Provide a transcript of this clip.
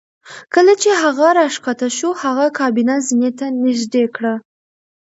کله چې هغه راښکته شو هغې کابینه زینې ته نږدې کړه